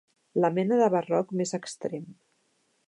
La mena de barroc més extrem.